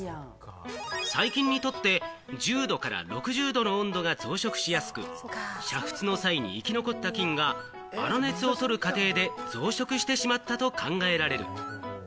細菌にとって、１０度から６０度の温度が増殖しやすく、煮沸の際に生き残った菌が粗熱を取る過程で増殖してしまったと考えられる。